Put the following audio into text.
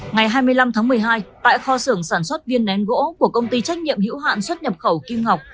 ngày hai mươi năm tháng một mươi hai tại kho xưởng sản xuất viên nén gỗ của công ty trách nhiệm hữu hạn xuất nhập khẩu kim ngọc